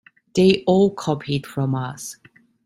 They all copied from us.